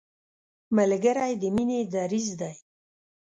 ملګری د مینې دریځ دی